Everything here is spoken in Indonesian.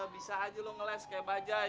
bisa aja lo ngeles kayak bajaj